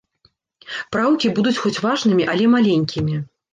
Праўкі будуць хоць важнымі, але маленькімі.